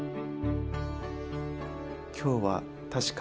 今日は確か。